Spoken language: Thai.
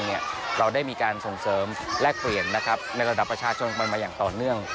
เราได้มีการส่งเสริมแลกเปลี่ยนในระดับประชาชนมันมาอย่างต่อเนื่อง